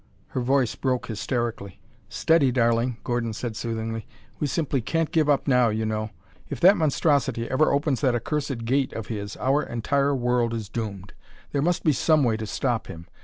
Her voice broke hysterically. "Steady, darling," Gordon said soothingly. "We simply can't give up now, you know. If that monstrosity ever opens that accursed Gate of his our entire world is doomed. There must be some way to stop him.